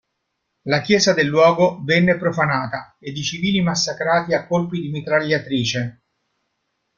La chiesa del luogo venne profanata ed i civili massacrati a colpi di mitragliatrice.